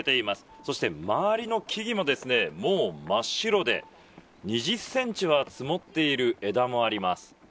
そして周りの木々ももう真っ白で、２０センチは積もっている枝もあります。